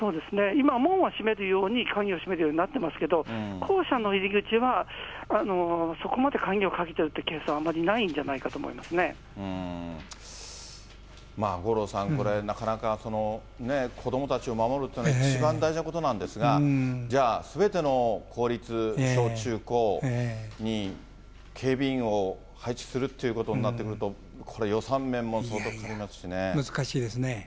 今、門は閉めるように、鍵を閉めるようになってますけど、校舎の入り口はそこまで鍵をかけてるってケースはあまりないんじまあ、五郎さん、これなかなかね、子どもたちを守るというのは一番大事なことなんですが、じゃあ、すべての公立小中高に、警備員を配置するっていうことになってくると、難しいですね。